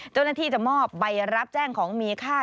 เจ้าหน้าที่จะมอบใบรับแจ้งของมีค่า